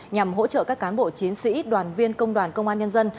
nhằm hỗ trợ các cán bộ chiến sĩ đoàn viên công đoàn công an nhân dân